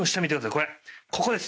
ここです